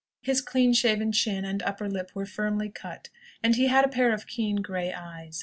His clean shaven chin and upper lip were firmly cut, and he had a pair of keen grey eyes.